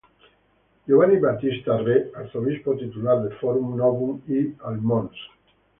Giovanni Battista Re, arzobispo titular de Forum Novum, y al Mons.